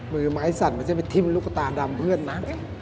มือไม้สั่นไม่ใช่ไปทิ้มลูกตาดำเพื่อนนะ